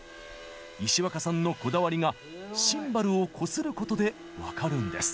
石若さんのこだわりがシンバルをこすることで分かるんです。